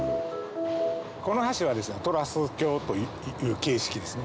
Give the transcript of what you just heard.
この橋はですね。という形式です